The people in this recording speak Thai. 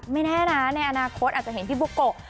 แน่นะในอนาคตอาจจะเห็นพี่บุโกะ